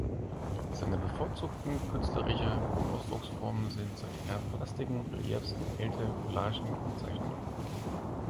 Seine bevorzugten künstlerische Ausdrucksformen sind seither Plastiken, Reliefs, Gemälde, Collagen und Zeichnungen.